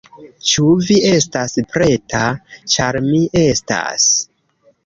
Ĉu vi estas preta? ĉar mi estas